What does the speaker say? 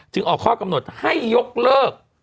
ออกข้อกำหนดให้ยกเลิก